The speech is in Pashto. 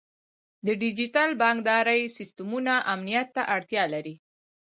د ډیجیټل بانکدارۍ سیستمونه امنیت ته اړتیا لري.